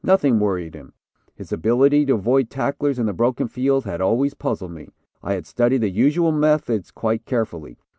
Nothing worried him. His ability to avoid tacklers in the broken field had always puzzled me. I had studied the usual methods quite carefully.